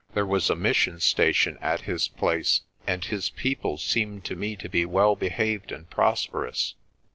There was a mission station at his place, and his people seemed to me to be well behaved and prosperous.